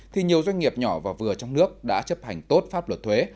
thì nhiều doanh nghiệp nhỏ và vừa trong nước đã chấp hành tốt pháp luật thuế